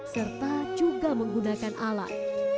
serta juga menggunakan alat